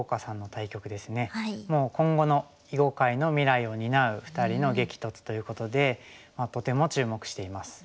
もう今後の囲碁界の未来を担う２人の激突ということでとても注目しています。